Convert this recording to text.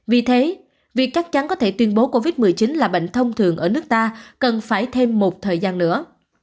vì thế việc chắc chắn có thể tuyên bố covid một mươi chín là bệnh thông thường ở nước ta cần phải thêm một thời gian nữa